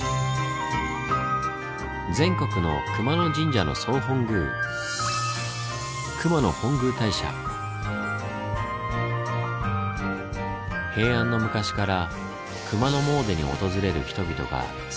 全国の熊野神社の総本宮平安の昔から熊野詣でに訪れる人々が最初に目指した神社。